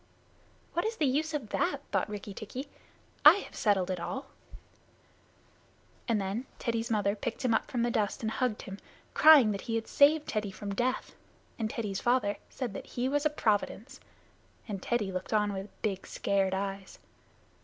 "What is the use of that?" thought Rikki tikki. "I have settled it all;" and then Teddy's mother picked him up from the dust and hugged him, crying that he had saved Teddy from death, and Teddy's father said that he was a providence, and Teddy looked on with big scared eyes.